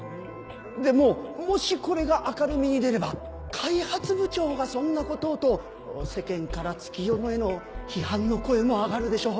でももしこれが明るみに出れば開発部長がそんなことをと世間から月夜野への批判の声も上がるでしょう。